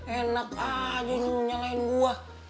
enak aja yang nyalain gua